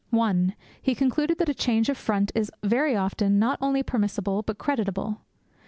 (1) He concluded that a change of front is very often not only permissible but creditable.